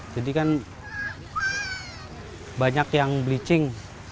jadi kan banyak yang bleaching